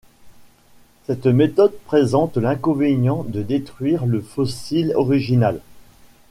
Cette méthode présente l'inconvénient de détruire le fossile original.